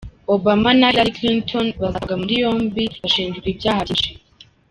Obama na Helaly Clinton bazatabwa muri yombi bashinjwa ibyaha byinshi.